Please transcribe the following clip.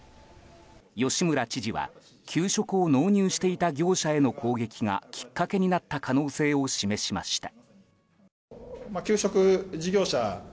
吉村知事は給食を納入していた業者への攻撃がきっかけになった可能性を示しました。